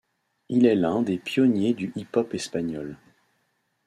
Il est l'un des pionniers du hip-hop espagnol.